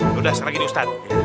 yaudah sekarang gini ustaz